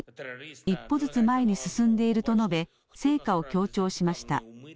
１歩ずつ前に進んでいると述べ成果を強調しました。